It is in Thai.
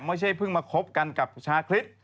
ไม่ใช่เพิ่งมาคบกันกับชาคริส